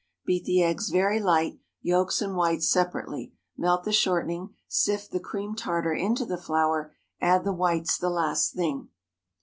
Beat the eggs very light, yolks and whites separately, melt the shortening, sift the cream tartar into the flour; add the whites the last thing.